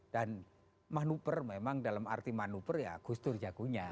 dan manuper memang dalam arti manuper ya gus dur jagonya